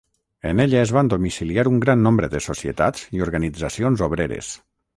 En ella es van domiciliar un gran nombre de societats i organitzacions obreres.